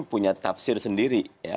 punya tafsir sendiri